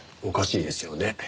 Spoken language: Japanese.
おかしいですよね。